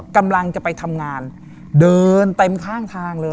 กำลังจะไปทำงานเดินเต็มข้างทางเลย